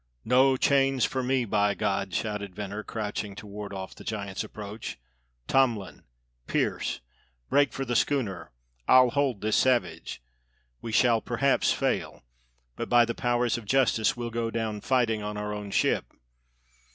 "No chains for me, by God!" shouted Venner, crouching to ward off the giant's approach. "Tomlin, Pearse, break for the schooner! I'll hold this savage. We shall perhaps fail; but by the powers of justice we'll go down fighting on our own ship!"